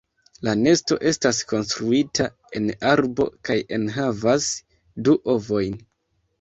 La nesto estas konstruita en arbo, kaj enhavas du ovojn.